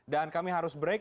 dan kami harus break